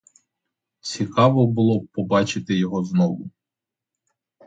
Цікаво було б побачити його знову.